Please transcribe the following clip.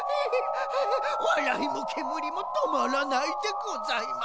わらいもけむりもとまらないでございます。